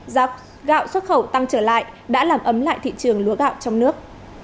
giá gạo xuất khẩu tăng trở lại đã làm ấm lại thị trường lúa gạo trong nước